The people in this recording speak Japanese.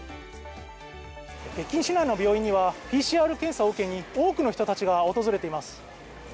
北京市内の病院にはＰＣＲ検査を受けに多くの人たちが訪れています。